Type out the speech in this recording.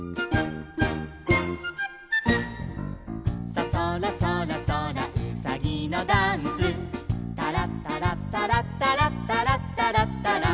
「ソソラソラソラうさぎのダンス」「タラッタラッタラッタラッタラッタラッタラ」